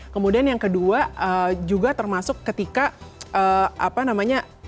kemudian yang kedua juga termasuk ketika apa namanya